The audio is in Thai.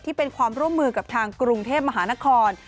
ที่เป็นความร่วมมือกับทางกรุงเทพมหานคร